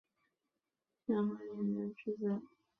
享和元年之子。